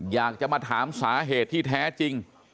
อยากจะมาถามสาเหตุที่แท้จริง